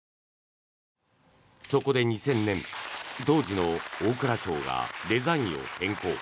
そこで２０００年当時の大蔵省がデザインを変更。